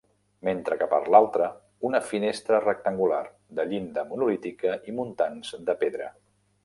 Mentre que per l'altra, una finestra rectangular, de llinda monolítica i muntants de pedra.